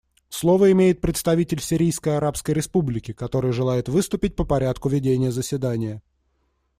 Слово имеет представитель Сирийской Арабской Республики, который желает выступить по порядку ведения заседания.